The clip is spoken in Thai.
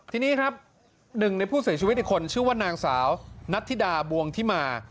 ทีนี้ครับหนึ่งในผู้เสียชีวิตอีกคนชื่อว่านางสาวนัทธิดาบวงทิมา